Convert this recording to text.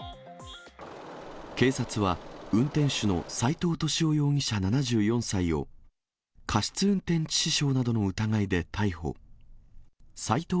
警察は、運転手の斉藤敏夫容疑者７４歳を、過失運転致死傷などの疑いで逮捕。